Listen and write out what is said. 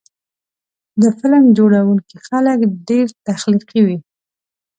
د فلم جوړوونکي خلک ډېر تخلیقي وي.